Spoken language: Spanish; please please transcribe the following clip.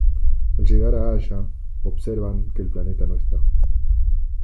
Al llegar a Halla, observan que el planeta no está.